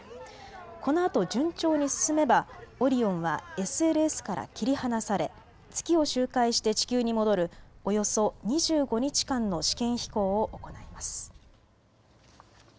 このあと順調に進めばオリオンはＳＬＳから切り離され月を周回して地球に戻るおよそ２５日間の試験飛行を行います。